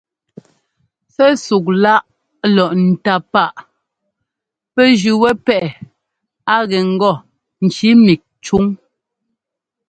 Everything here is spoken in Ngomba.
Sɛ́súk-láꞌ lɔ ńtá páꞌa pɛ́ jʉ́ wɛ́ pɛ́ꞌɛ a gɛ ŋgɔ ŋki mík cúŋ.